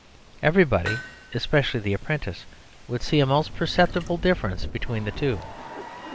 Everybody (especially the apprentice) would see a most perceptible difference between the two.